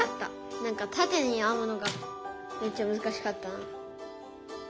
何かたてにあむのがめっちゃむずかしかったな。